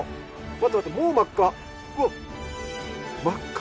待って待ってもう真っ赤！